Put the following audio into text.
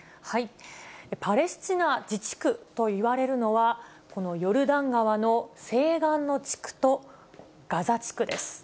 パレスチナ自治区といわれるのは、このヨルダン川の西岸の地区と、ガザ地区です。